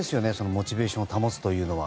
モチベーションを保つというのは。